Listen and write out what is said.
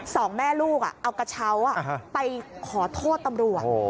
สองแม่ลูกเอากระเช้าไปขอโทษตำรวจ